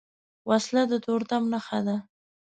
وسله د تورتم نښه ده